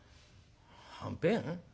「はんぺん？